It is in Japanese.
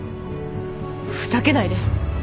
ふざけないで。